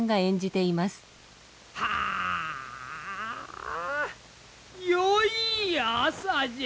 はあ良い朝じゃ。